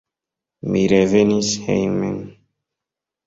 Mi revenis hejmen.